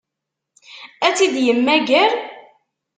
Ad tt-id-yemmager?